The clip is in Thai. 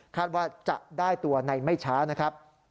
ว่าจะได้ตัวในไม่ช้านะครับ